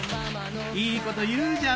いいこと言うじゃん